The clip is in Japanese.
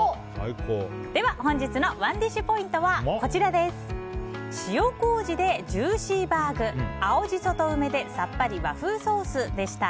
では本日のＯｎｅＤｉｓｈポイントは塩麹でジューシーバーグ青ジソ＋梅でさっぱり和風ソースでした。